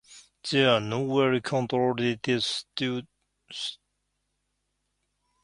There are no well-controlled studies with salmeterol in pregnant women.